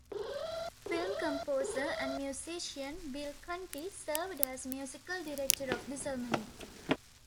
Film composer and musician Bill Conti served as musical director of the ceremony.